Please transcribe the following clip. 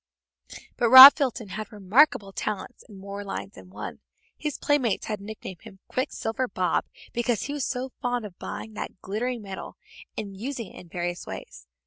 But Rob Fulton had remarkable talents in more lines than one. His playmates had nicknamed him "Quicksilver Bob" because he was so fond of buying that glittering metal and using it in various ways.